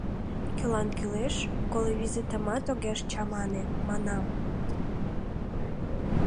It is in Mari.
— Кӧлан кӱлеш, коло визытымат огеш чамане, — манам.